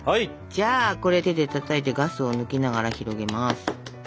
じゃあこれ手でたたいてガスを抜きながら広げます。